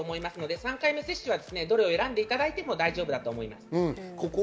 ３回目はどれを選んでいただいても大丈夫だと思います。